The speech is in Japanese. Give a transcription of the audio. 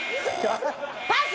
パス！